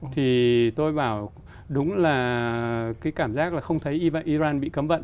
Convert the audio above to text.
thì tôi bảo đúng là cái cảm giác là không thấy iran bị cấm vận